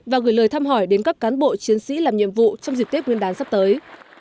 và các lực lượng vũ trang sắp tới